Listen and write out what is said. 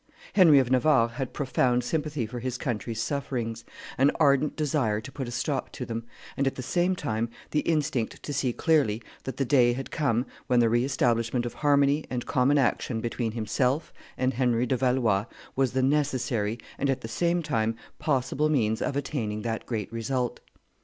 Henry of Navarre had profound sympathy for his country's sufferings, an ardent desire to put a stop to them, and at the same time the instinct to see clearly that the day had come when the re establishment of harmony and common action between himself and Henry de Valois was the necessary and at the same time possible means of attaining that great result.